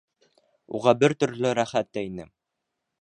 Уға бер төрлө рәхәт тә ине.